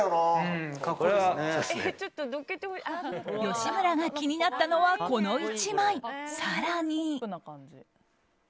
吉村が気になったのはこの１枚、更に。